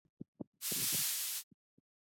曲茎马蓝为爵床科马蓝属下的一个种。